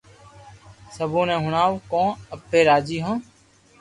سبي ني ھڻاوُ ڪو اپي راجي ھون